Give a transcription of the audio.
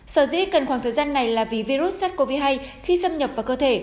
sở dĩ cần khoảng thời gian này là vì virus sars cov hai khi xâm nhập vào cơ thể